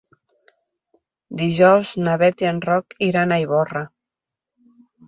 Dijous na Beth i en Roc iran a Ivorra.